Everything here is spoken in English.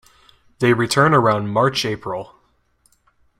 They return around March-April.